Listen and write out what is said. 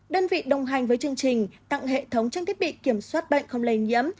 đơn vị đồng hành với chương trình tặng hệ thống trang thiết bị kiểm soát bệnh không lây nhiễm